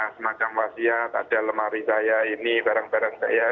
semacam wasiat ada lemari saya ini barang barang saya